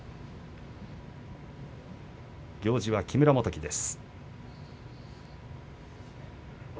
行司は木村元基です。